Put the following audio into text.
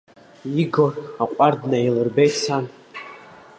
Игор аҟәардә наилырбеит сан.